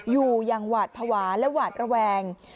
อยู่อย่างหวาดภาวะและหวาดระแวง